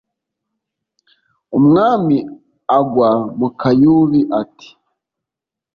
umwami agwa mu kayubi ati